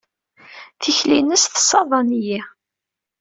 Tikli-nnes tessaḍan-iyi.